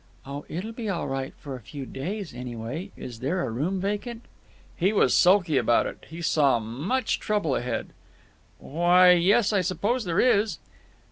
"Oh, it'll be all right for a few days, anyway. Is there a room vacant." He was sulky about it. He saw much trouble ahead. "Why, yes, I suppose there is."